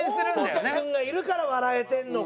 河本君がいるから笑えてるのか。